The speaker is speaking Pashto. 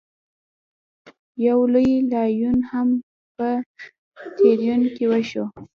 یو لوی لاریون هم په تورین کې وشو.